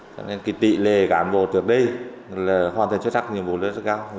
cho nên tỷ lệ cán bộ trước đây là hoàn thành xuất sắc nhiệm vụ lên rất cao